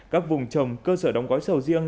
các vùng trồng cơ sở đóng gói sầu riêng